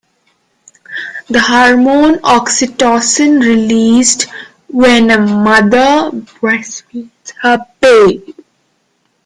The hormone oxytocin is released when a mother breastfeeds her baby.